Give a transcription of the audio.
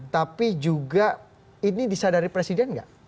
tapi juga ini disadari presiden nggak